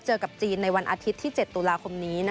เจอกับจีนในวันอาทิตย์ที่๗ตุลาคมนี้